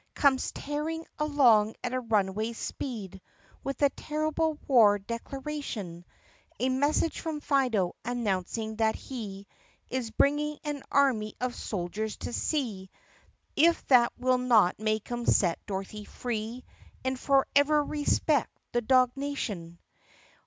Comes tearing along at a runaway speed With a terrible war declaration — A message from Fido announcing that he Is bringing an army of soldiers to see If that will not make 'em set Dorothy free And forever respect the dog nation